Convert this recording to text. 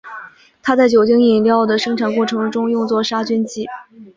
它在酒精饮料的生产过程中用作杀菌剂。